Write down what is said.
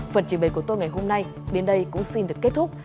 phần trình bày của tôi ngày hôm nay đến đây cũng xin được kết thúc